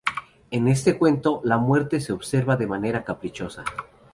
En este cuento, la muerte se observa de una manera caprichosa.